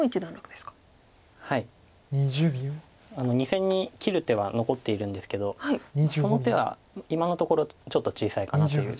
２線に切る手は残っているんですけどその手は今のところちょっと小さいかなという。